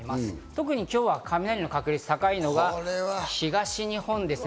特に今日は雷の確率が高いのが東日本です。